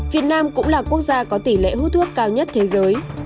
việt nam cũng là quốc gia có tỷ lệ hút thuốc cao nhất thế giới